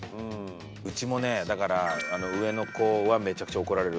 うちもねだから上の子はめちゃくちゃ怒られるんですよ。